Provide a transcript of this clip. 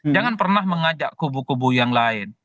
jangan pernah mengajak kubu kubu yang lain